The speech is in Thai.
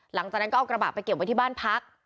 หลังจากนั้นก็เอากระบะไปเก็บไว้ที่บ้านพัก